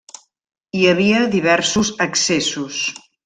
Hi havia diversos accessos.